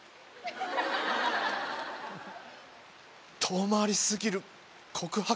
遠回りすぎる告白？